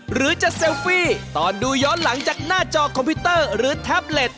หรือจะเซลฟี่ตอนดูย้อนหลังจากหน้าจอคอมพิวเตอร์หรือแท็บเล็ต